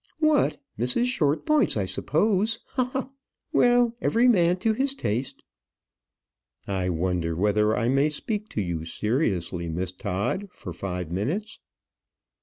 "What, Mrs. Shortpointz, I suppose. Ha! ha! ha! Well, every man to his taste." "I wonder whether I may speak to you seriously, Miss Todd, for five minutes?"